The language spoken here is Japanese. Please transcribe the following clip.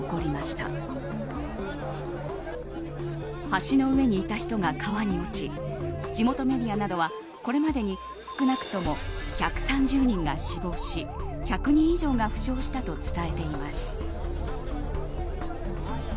橋の上にいた人が川に落ち地元メディアなどはこれまでに少なくとも１３０人が死亡し１００人以上が負傷したと伝えています。